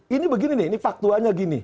ini begini nih ini faktualnya gini